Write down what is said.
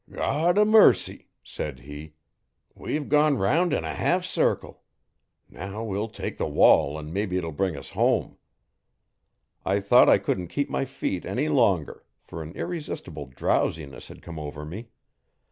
'God o' mercy!' said he, 'we've gone 'round in a half circle. Now we'll take the wall an' mebbe it'll bring us home.' I thought I couldn't keep my feet any longer, for an irresistible drowsiness had come over me.